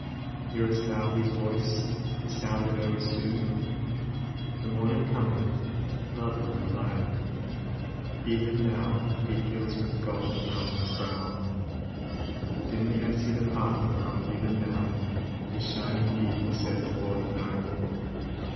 Hear'st thou his voice, the sound of error's doom? The Morning cometh, lover of the Light; Even now He gilds with gold the mountain's brow, Dimly I see the path whereon even now His shining feet are set toward the Night.